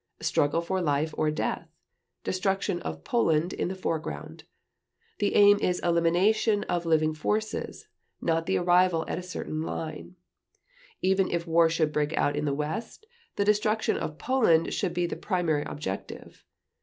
Struggle for life or death ... destruction of Poland in the foreground. The aim is elimination of living forces, not the arrival at a certain line. Even if war should break out in the West, the destruction of Poland shall be the primary objective.